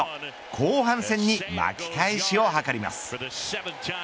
後半戦に巻き返しを図ります。